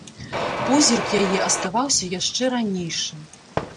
Позірк яе аставаўся яшчэ ранейшы.